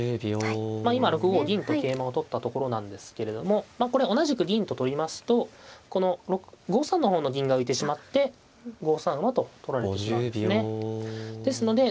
まあ今６五銀と桂馬を取ったところなんですけれどもまあこれ同じく銀と取りますとこの５三の方の銀が浮いてしまって５三馬と取られてしまうんですね。